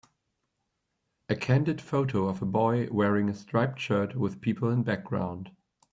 A candid photo of a boy wearing a striped shirt with people in background.